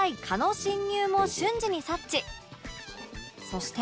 そして